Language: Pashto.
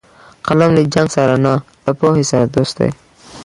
قلم له جنګ سره نه، له پوهې سره دوست دی